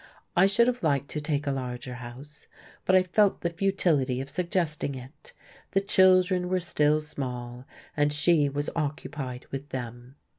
I should have liked to take a larger house, but I felt the futility of suggesting it; the children were still small, and she was occupied with them.